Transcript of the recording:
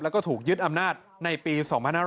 แล้วก็ถูกยึดอำนาจในปี๒๕๕๙